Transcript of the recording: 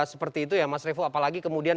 seperti itu ya mas revo apalagi kemudian